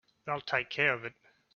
They'll take care of it.